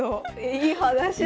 いい話だ。